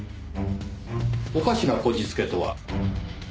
おかしなこじつけとは？